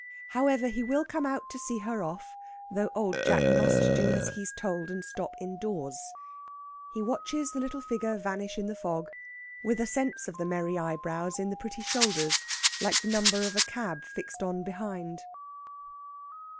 However, he will come out to see her off, though Old Jack must do as he's told, and stop indoors. He watches the little figure vanish in the fog, with a sense of the merry eyebrows in the pretty shoulders, like the number of a cab fixed on behind.